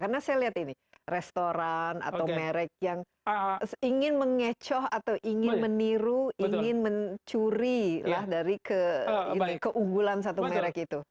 karena saya lihat ini restoran atau merk yang ingin mengecoh atau ingin meniru ingin mencuri lah dari keunggulan satu merk itu